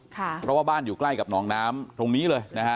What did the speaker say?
เพราะว่าบ้านอยู่ใกล้กับหนองน้ำตรงนี้เลยนะฮะ